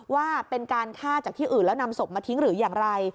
ว่าเป็นการฆ่าจากที่อื่นแล้วนำศพมาทิ้งหรืออย่างไร